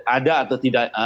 ada atau tidak